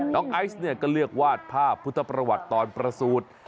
ไอซ์เนี่ยก็เลือกวาดภาพพุทธประวัติตอนประสูจน์